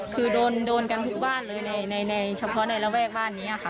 คือโดนกันทุกบ้านเลยในเฉพาะในระแวกบ้านนี้ค่ะ